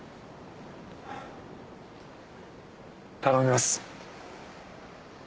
頼みます。